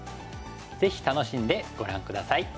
ぜひ楽しんでご覧下さい。